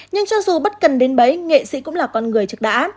nhưng cho dù bất cần đến bấy nghệ sĩ cũng là con người chắc đã